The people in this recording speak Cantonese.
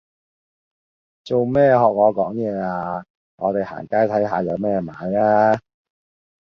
做咩學我講嘢啊，我哋行街睇吓有咩買呀